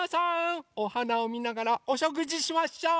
おはなをみながらおしょくじしましょう！